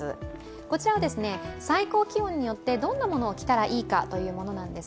こちらは最高気温によってどんなものを着たらいいかというものです。